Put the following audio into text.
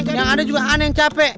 eh yang ada juga an yang capek